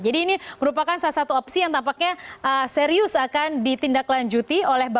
jadi ini merupakan salah satu opsi yang tampaknya serius akan ditindaklanjuti oleh bapak